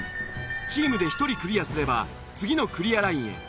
チームで１人クリアすれば次のクリアラインへ。